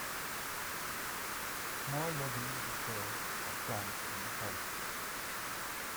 More luxury hotels are planned for the site.